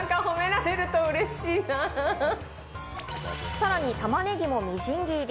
さらに玉ねぎもみじん切りに。